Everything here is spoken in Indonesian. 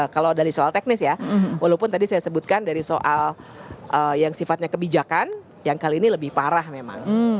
kalau dari soal teknis ya walaupun tadi saya sebutkan dari soal yang sifatnya kebijakan yang kali ini lebih parah memang